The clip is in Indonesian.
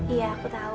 iya aku tau